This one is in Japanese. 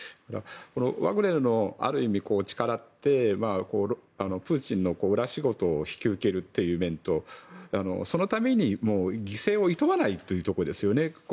ワグネルの力ってプーチンの裏仕事を引き受けるという面とそのために犠牲をいとわないというところですよね。